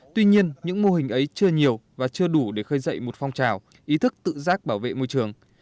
tuy nhiên những mô hình ấy chưa nhiều và chưa đủ để khơi dậy một phong trào ý thức tự giác bảo vệ môi trường